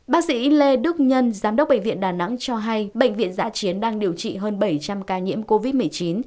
bác sĩ lê đức nhân giám đốc bệnh viện đà nẵng cho hay bệnh viện giã chiến đang điều trị hơn bảy trăm linh ca nhiễm covid một mươi chín